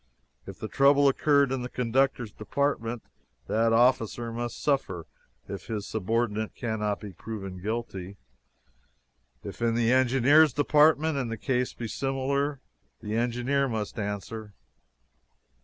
If the trouble occurred in the conductor's department, that officer must suffer if his subordinate cannot be proven guilty; if in the engineer's department and the case be similar, the engineer must answer.